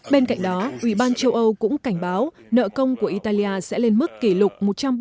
bên cạnh đó ủy ban châu âu cũng cảnh báo nợ công của italia sẽ lên mức kỷ lục